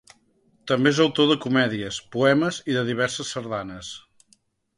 També és autor de comèdies, poemes i de diverses sardanes.